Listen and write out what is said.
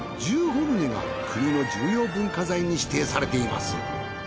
１５棟が国の重要文化財に指定されています。